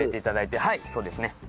はいそうですね。